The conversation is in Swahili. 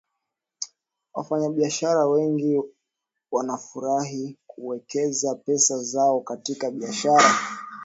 wafanyabiashara wengi wanafurahi kuwekeza pesa zao katika biashara